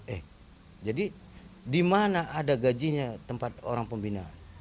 eh jadi dimana ada gajinya tempat orang pembinaan